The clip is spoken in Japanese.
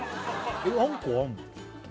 これあんこあんの？